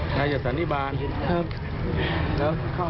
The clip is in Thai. เพื่อมาทำร้ายฉันหรือเปล่า